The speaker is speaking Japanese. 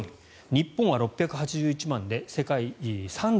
日本は６８１万円で世界３５位。